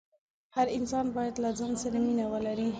هر انسان باید له ځان سره مینه ولري.